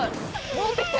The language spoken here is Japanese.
戻ってきて！